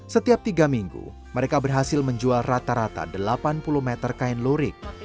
setiap tiga minggu mereka berhasil menjual rata rata delapan puluh meter kain lurik